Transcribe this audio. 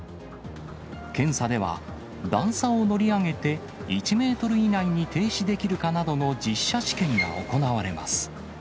検査では、段差を乗り上げて１メートル以内に停止できるかなどの実車試験が行われます。